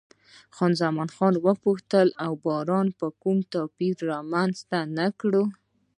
خان زمان وپوښتل، او باران به کوم توپیر رامنځته نه کړي؟